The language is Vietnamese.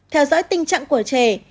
theo dõi tình trạng của trẻ